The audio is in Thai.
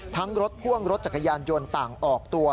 รถพ่วงรถจักรยานยนต์ต่างออกตัว